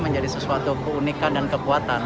menjadi sesuatu keunikan dan kekuatan